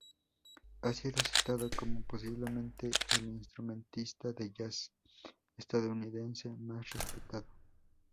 Ha sido citado como "posiblemente el instrumentista de jazz estadounidense más respetado".